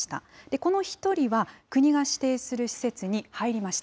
この１人は、国が指定する施設に入りました。